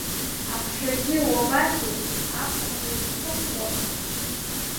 Аԥшагьы, уабацеи, аԥҭақәа узхымцо?